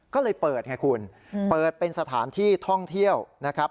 ก็เลยเปิดไงคุณเปิดเป็นสถานที่ท่องเที่ยวนะครับ